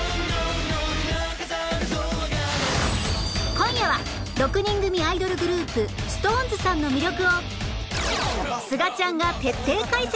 今夜は６人組アイドルグループ ＳｉｘＴＯＮＥＳ さんの魅力をすがちゃんが徹底解説！